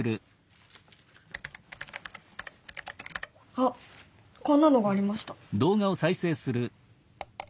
あっこんなのがありました。